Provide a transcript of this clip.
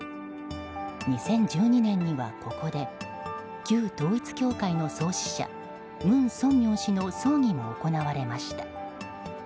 ２０１２年にはここで旧統一教会の創始者文鮮明氏の葬儀も行われました。